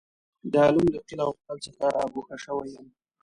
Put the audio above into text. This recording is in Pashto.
د عالم له قیل او قال څخه را ګوښه شوی یم.